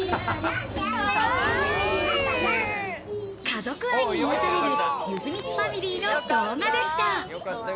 家族愛に癒されるゆずみつファミリーの動画でした。